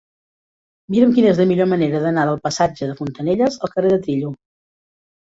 Mira'm quina és la millor manera d'anar del passatge de Fontanelles al carrer de Trillo.